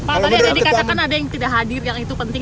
pak tadi ada yang dikatakan ada yang tidak hadir yang itu penting